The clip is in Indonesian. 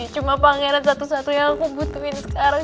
cuma pangeran satu satu yang aku butuhin sekarang